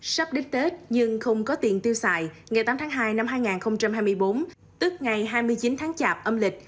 sắp đến tết nhưng không có tiền tiêu xài ngày tám tháng hai năm hai nghìn hai mươi bốn tức ngày hai mươi chín tháng chạp âm lịch